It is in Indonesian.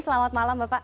selamat malam bapak